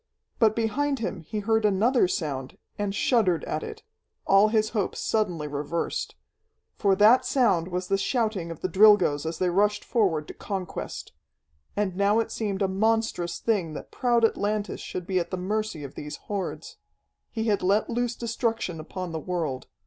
But behind him he heard another sound, and shuddered at it, all his hopes suddenly reversed. For that sound was the shouting of the Drilgoes as they rushed forward to conquest. And now it seemed a monstrous thing that proud Atlantis should be at the mercy of these hordes. He had let loose destruction upon the world.